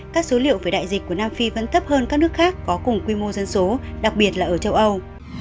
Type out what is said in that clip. các số liệu về đại dịch của nam phi vẫn thấp hơn các nước khác có cùng quy mô dân số đặc biệt là ở châu âu